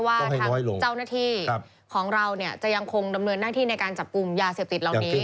ว่าทางเจ้าหน้าที่ของเราจะยังคงดำเนินหน้าที่ในการจับกลุ่มยาเสพติดเหล่านี้